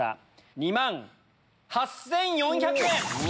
２万８４００円。